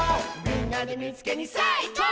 「みんなでみいつけにさあいこう！」